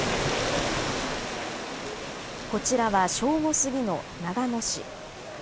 こちらは正午過ぎの長野市。